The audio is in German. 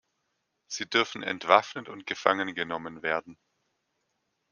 Sie dürfen entwaffnet und gefangen genommen werden.